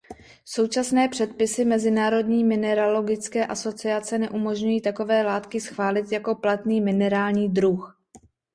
Současné předpisy Mezinárodní mineralogické asociace neumožňují takové látky schválit jako platný minerální druh.